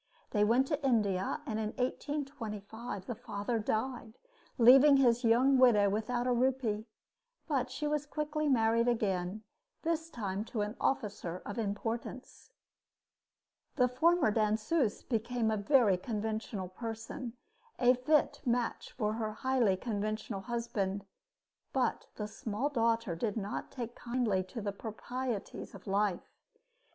They went to India, and in 1825 the father died, leaving his young widow without a rupee; but she was quickly married again, this time to an officer of importance. The former danseuse became a very conventional person, a fit match for her highly conventional husband; but the small daughter did not take kindly to the proprieties of life.